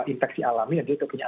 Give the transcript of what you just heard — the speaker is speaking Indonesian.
infeksi alami yang dia itu punya